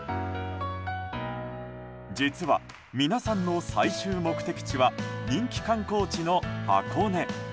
実は皆さんの最終目的地は人気観光地の箱根。